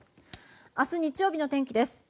明日日曜日の天気です。